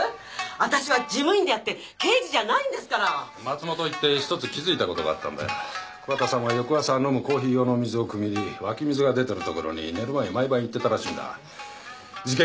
私は事務員であって刑事じゃないんですから松本行って１つ気付いたことがあったんだよ桑田さんは翌朝飲むコーヒー用の水をくみに湧き水が出てる所に寝る前に毎晩行ってたらしいんだ事件